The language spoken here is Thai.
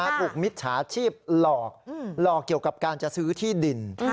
มิจฉาชีพหลอกหลอกเกี่ยวกับการจะซื้อที่ดิน